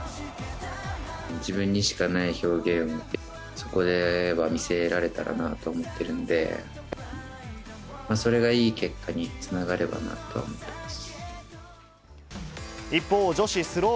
自分にしかない表現をそこでは見せられたらなと思ってるので、それがいい結果につながればなと思っています。